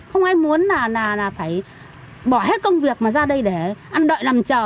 không ai muốn là phải bỏ hết công việc mà ra đây để ăn đợi làm chờ